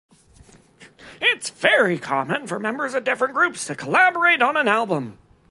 It is very common for members of different groups to collaborate on an album.